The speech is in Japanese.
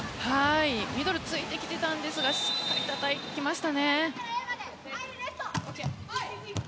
ミドル突いてきていたんですがしっかりたたきました。